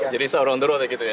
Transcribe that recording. jadi sahur on the road ya gitu ya